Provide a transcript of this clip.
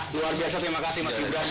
luar biasa terima kasih mas gibran